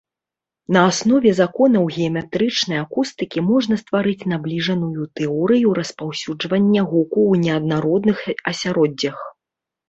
На аснове законаў геаметрычнай акустыкі можна стварыць набліжаную тэорыю распаўсюджвання гуку ў неаднародных асяроддзях.